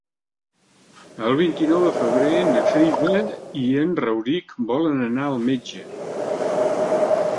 El vint-i-nou de febrer na Frida i en Rauric volen anar al metge.